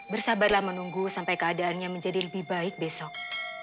bersabarlah menunggu sampai keadaannya menjadi lebih baik besok